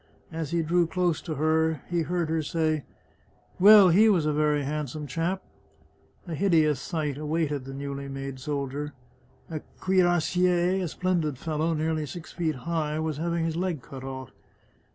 As he drew close to her he heard her say, " Well, he was a very handsome chap." A hideous sight awaited the newly made soldier. A cuirassier, a splendid fellow, nearly six feet high, was having his leg cut off.